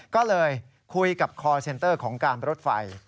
ก็เลยคุยกับคอร์เซ็นเตอร์ของการรถไฟ